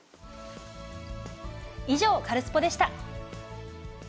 以上、カルスポっ！でした。